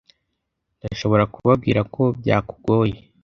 ndashobora kubabwira ko byakugoye